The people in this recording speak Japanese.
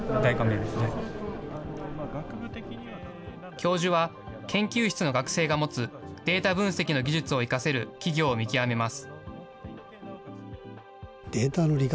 教授は研究室の学生が持つデータ分析の技術を生かせる企業を見極めます。